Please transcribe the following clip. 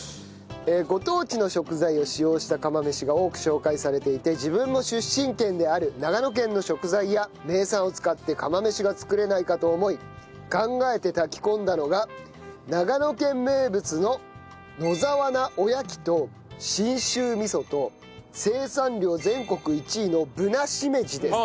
ご当地の食材を使用した釜飯が多く紹介されていて自分の出身県である長野県の食材や名産を使って釜飯が作れないかと思い考えて炊き込んだのが長野県名物の野沢菜おやきと信州味噌と生産量全国１位のぶなしめじです。